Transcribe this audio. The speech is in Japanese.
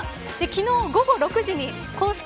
昨日午後６時に公式